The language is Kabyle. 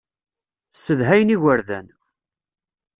Ssedhayen igerdan.